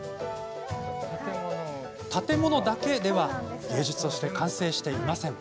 建物だけでは芸術として完成していません。